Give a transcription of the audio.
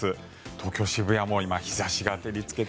東京・渋谷も今日差しが照りつけて。